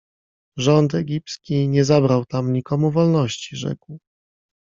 - Rząd egipski nie zabrał tam nikomu wolności - rzekł.